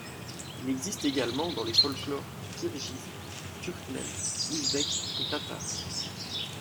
Il existe également dans les folklores kirghize, turkmène, ouzbek et tatar.